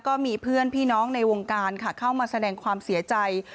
ก็มีเพื่อนพี่น้องในวงการค่ะเข้ามาแสดงความเสียใจ